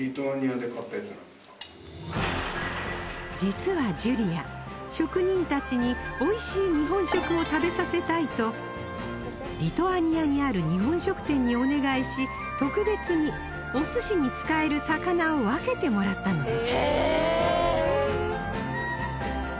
実はジュリア職人たちにおいしい日本食を食べさせたいとリトアニアにある日本食店にお願いし特別にお寿司に使える魚を分けてもらったのです